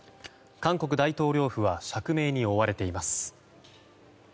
韓国大統領府は釈明に追われています。